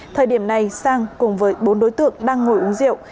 thời điểm này sang cùng với bốn đối tượng đang ngồi uống rượu